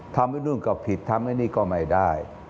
ทำให้นู่นก็ผิดทำให้นี่ก็ไม่ได้